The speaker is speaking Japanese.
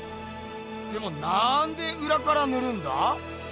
でもなんでうらからぬるんだ？